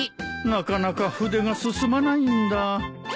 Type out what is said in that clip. なかなか筆が進まないんだ。